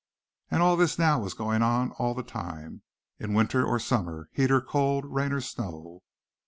And all this was going on all the time, in winter or summer, heat or cold, rain or snow.